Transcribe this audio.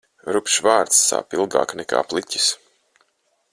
Rupjš vārds sāp ilgāk nekā pliķis.